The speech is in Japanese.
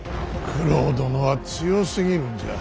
九郎殿は強すぎるんじゃ。